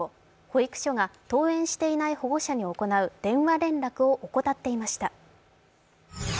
保育所が登園していない保護者に行う電話連絡を怠っていました。